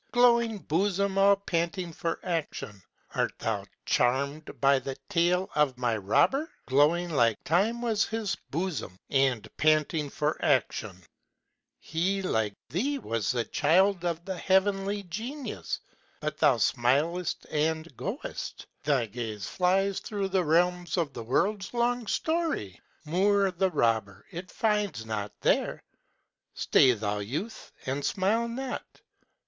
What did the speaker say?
Glowing bosom all panting for action! Art thou charmed by the tale of my robber? Glowing like time was his bosom, and panting for action! He, like thee, was the child of the heavenly genius. But thou smilest and goest Thy gaze flies through the realms of the world's long story, Moor, the robber, it finds not there Stay, thou youth, and smile not!